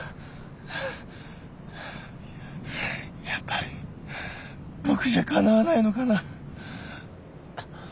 やっぱり僕じゃかなわないのかな。